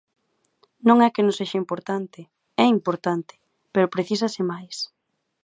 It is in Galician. Non é que non sexa importante, é importante, pero precísase máis.